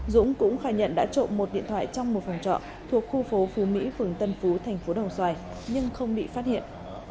dũng cũng khai nhận đã trộn một điện thoại trong một phòng trọ thuộc khu phố phú mỹ phường tân phú tp đồng xoài nhưng không bị phát hiện